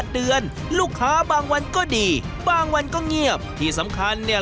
เดือนลูกค้าบางวันก็ดีบางวันก็เงียบที่สำคัญเนี่ย